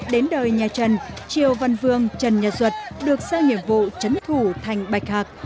đến đời nhà trần triều văn vương trần nhật duật được sao nhiệm vụ chấn thủ thành bạch hạc